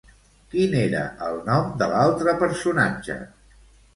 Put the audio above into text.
Quin era el nom de l'altre personatge?